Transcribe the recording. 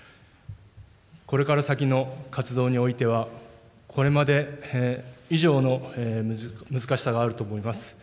これから先の活動においては、これまで以上の難しさがあると思います。